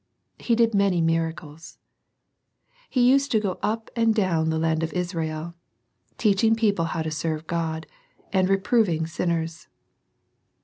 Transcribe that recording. He did many miracles. He used to go up and down the land of Israel, teaching people how to serve God, and reproving sinners.